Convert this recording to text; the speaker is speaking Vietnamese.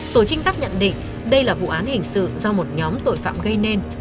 tổ trinh sát nhận định đây là vụ án hình sự do một nhóm tội phạm gây nên